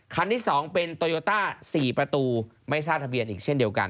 คันที่๒เป็นโตโยต้า๔ประตูไม่ทราบทะเบียนอีกเช่นเดียวกัน